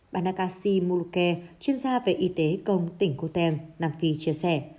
banakasi muluke chuyên gia về y tế công tỉnh khu teng nam phi chia sẻ